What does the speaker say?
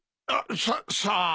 さっさあ。